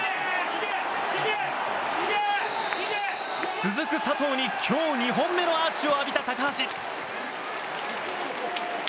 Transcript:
続く佐藤に今日２本目のアーチを浴びた高橋。